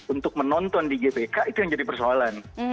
untuk menonton di gbk itu yang jadi persoalan